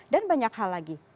dan banyak hal lagi